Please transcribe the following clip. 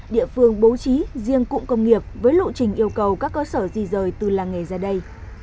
địa phương bố trí riêng cụm công nghiệp với lộ trình yêu cầu các cơ sở di rời từ làng nghề ra đây